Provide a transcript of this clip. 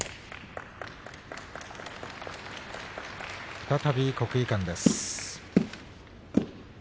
再び国技館です。